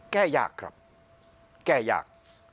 แก้ยากครับแก้ยาก